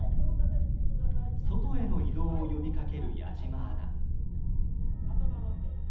外への移動を呼びかける矢島アナ。